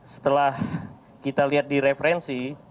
setelah kita lihat di referensi